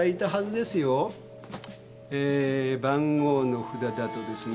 えー番号の札だとですね